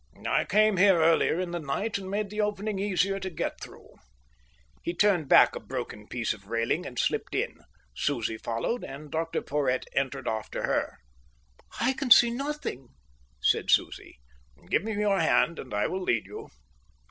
"I came here earlier in the night and made the opening easier to get through." He turned back a broken piece of railing and slipped in. Susie followed, and Dr Porhoët entered after her. "I can see nothing," said Susie. "Give my your hand, and I will lead you."